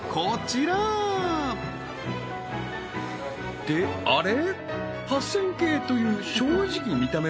ってあれ？